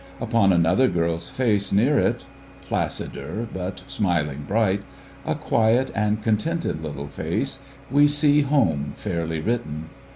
Upon another girl's face near it — placider hut smiling bright — a quiet and contented little face, we see Home fairly written.